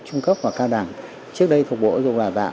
trung cấp và cao đẳng trước đây thuộc bộ dụng đảo đạo